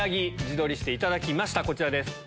こちらです。